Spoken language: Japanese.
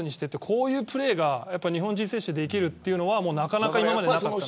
こういうプレーが日本人選手でできるというのはなかなか今までなかったので。